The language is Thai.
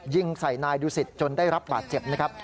ยิงใส่นายดูสิตจนได้รับบาดเจ็บนะครับ